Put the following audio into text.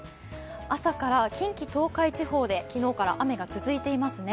朝から近畿、東海地方で昨日から雨が続いていますね。